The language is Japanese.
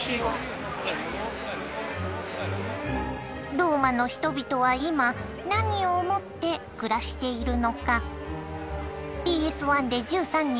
ローマの人々は今何を思って暮らしているのか。